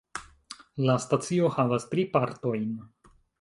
La stacio havas tri partojn.